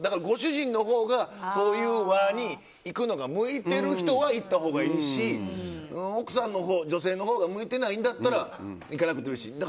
ご主人のほうがそういう輪に行くのが向いている人は行ったほうがいいし奥さん、女性のほうが向いてないんだったら行かなくていいし。